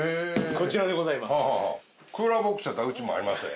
こちらでございます。